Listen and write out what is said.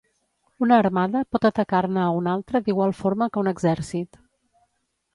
Una armada pot atacar-ne a una altra d'igual forma que un exèrcit.